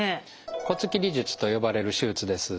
骨切り術と呼ばれる手術です。